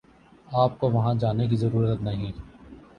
آپ کو وہاں جانے کی ضرورت نہیں